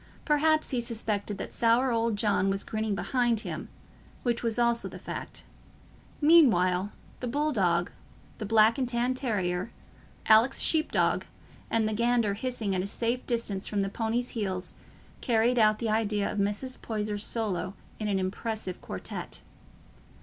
Perhaps he suspected that sour old John was grinning behind him—which was also the fact. Meanwhile the bull dog, the black and tan terrier, Alick's sheep dog, and the gander hissing at a safe distance from the pony's heels carried out the idea of Mrs. Poyser's solo in an impressive quartet.